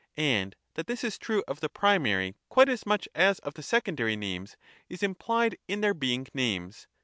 And that this is true of the primary quite as much as of the secondary names, is imph'ed in their being names.